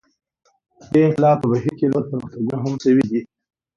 دې انقلاب په بهیر کې نور پرمختګونه هم شوي دي.